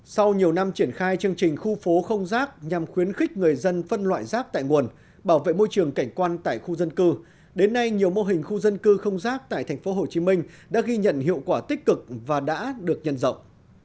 sau nhiều năm triển khai chương trình khu phố không rác nhằm khuyến khích người dân phân loại rác tại nguồn bảo vệ môi trường cảnh quan tại khu dân cư đến nay nhiều mô hình khu dân cư không rác tại tp hcm đã ghi nhận hiệu quả tích cực và đã được nhân rộng